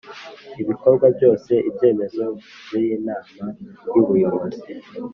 ibikorwa byose ibyemezo by Inama y Ubuyobozi